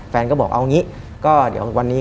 แฟนก็บอกเอาอย่างนี้